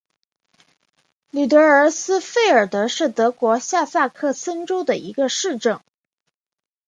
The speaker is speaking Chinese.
吕德尔斯费尔德是德国下萨克森州的一个市镇。